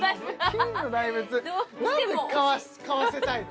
金の大仏何で買わせたいの？